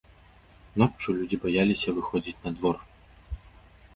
Ноччу людзі баяліся выходзіць на двор.